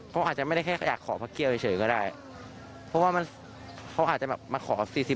เขาอาจจะไม่ได้แค่อยาก